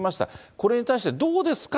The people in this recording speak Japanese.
これに対してどうですか？